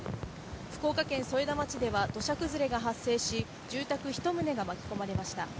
福岡県添田町では土砂崩れが発生し、住宅１棟が巻き込まれました。